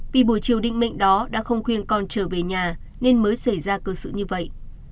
vì buổi chiều định mệnh đó đã không khuyên con trở về nhà nên mới xảy ra cơ sự như vậy